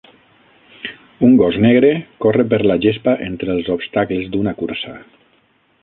Un gos negre corre per la gespa entre els obstacles d'una cursa